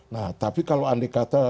nah tapi kalau andai kata